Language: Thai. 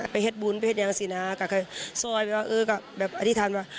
เป็นเหตุบุญเป็นเหตุอย่างสีนาก็คือซอยไปว่าเออก็แบบอธิษฐานว่า